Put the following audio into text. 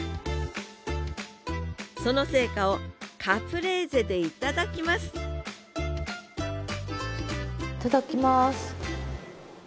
その成果をカプレーゼで頂きますいただきます。